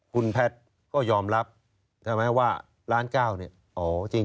คุณแพทย์ก็ยอมรับใช่ไหมว่าล้านเก้าเนี่ยอ๋อจริง